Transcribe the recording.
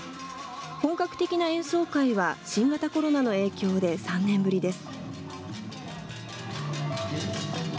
本格的な演奏会は新型コロナの影響で３年ぶりです。